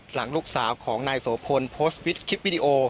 หลังลูกสาวของนายโสพลโพสต์คลิปวิดีโอ